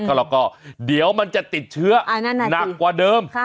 เขาก็ล่ะเดี๋ยวมันจะติดเชื้อนักกว่าเดิม